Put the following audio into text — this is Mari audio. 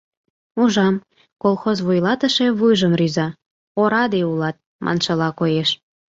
Ужам: колхоз вуйлатыше вуйжым рӱза, «ораде улат» маншыла коеш.